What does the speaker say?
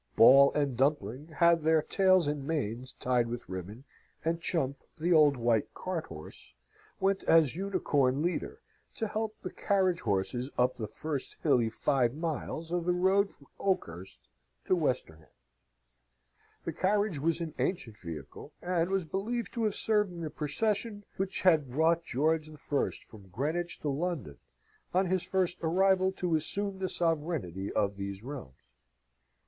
Ball and Dumpling had their tails and manes tied with ribbon, and Chump, the old white cart horse, went as unicorn leader, to help the carriage horses up the first hilly five miles of the road from Oakhurst to Westerham. The carriage was an ancient vehicle, and was believed to have served in the procession which had brought George I. from Greenwich to London, on his first arrival to assume the sovereignty of these realms.